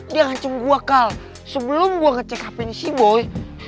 dia ngancam gue kal sebelum gue ngecek hp ini si boy